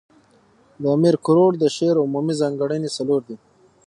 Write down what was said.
د امیر کروړ د شعر عمومي ځانګړني، څلور دي.